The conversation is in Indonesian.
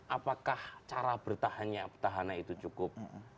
apakah cara bertahan itu cukup